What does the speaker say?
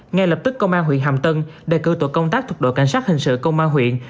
ngay lập tức công an huyện hàm tân đề cử tổ công tác thuộc đội cảnh sát hình sự công an huyện